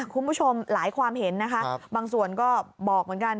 คุณผู้ชมหลายความเห็นนะคะบางส่วนก็บอกเหมือนกัน